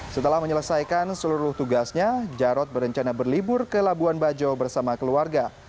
setelah menyelesaikan seluruh tugasnya jarod berencana berlibur ke labuan bajo bersama keluarga